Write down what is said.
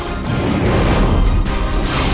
aku mau kesana